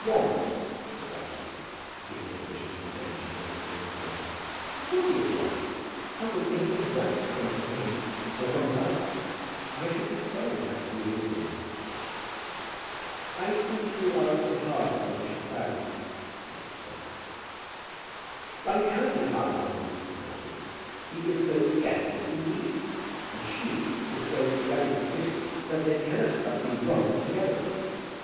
"Wrong!" said the archdeacon, speaking of the bishop's intention of issuing a commission "of course he is wrong. How could anything right come from him or from her? I should be sorry to have to do his bidding." "I think you are a little hard upon Bishop Proudie," said Dr. Tempest. "One cannot be hard upon him," said the archdeacon. "He is so scandalously weak, and she is so radically vicious, that they cannot but be wrong together.